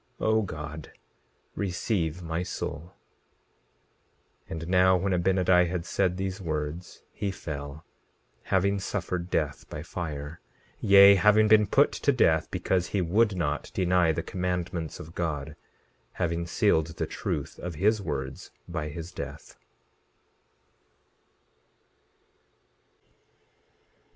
O God, receive my soul. 17:20 And now, when Abinadi had said these words, he fell, having suffered death by fire; yea, having been put to death because he would not deny the commandments of God, having sealed the truth of his words by his death.